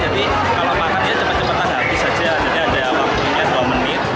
jadi kalau makan cepat cepat ada habis saja jadi ada waktunya dua menit